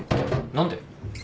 何で？